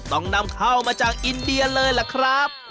ต้องนำเข้ามาจากอินเดียเลยล่ะครับ